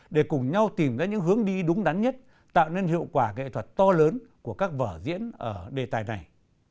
để cùng nhau tìm ra những hướng đi đúng đắn nhất tạo nên hiệu quả nghệ thuật to lớn của các vở diễn ở đề tài này